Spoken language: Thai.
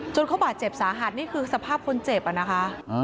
เขาบาดเจ็บสาหัสนี่คือสภาพคนเจ็บอะนะคะ